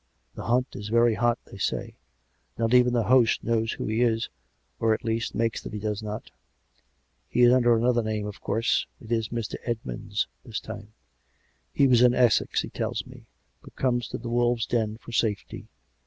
" The hunt is very hot, they say. Not even the host knows who he is; or, at least, makes that he does not. He is under another name. COME RACK! COME ROPE! 149 of course; it is Mr. Edmonds, this time. He was in Essex, he tells me; but comes to the wolves' den for safety.